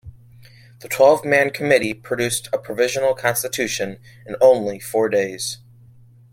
The twelve-man committee produced a provisional constitution in only four days.